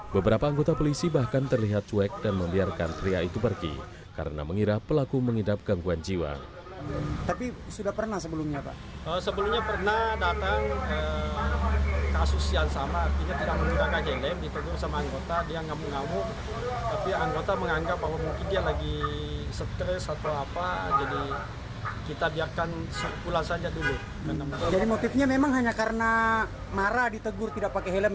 beberapa anggota polisi bahkan terlihat cuek dan membiarkan pria itu pergi karena mengira pelaku mengidap gangguan jiwa